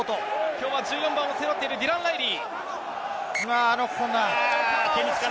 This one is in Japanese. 今日は１４番を背負っているディラン・ライリー。